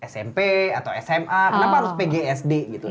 smp atau sma kenapa harus pgsd gitu